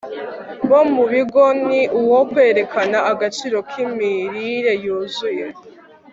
bo mu bigo ni uwo kwerekana agaciro kimirire yuzuye